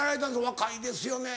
若いですよね。